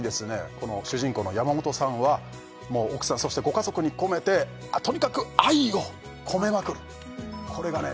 この主人公の山本さんはもう奥さんそしてご家族に込めてとにかく愛を込めまくるこれがね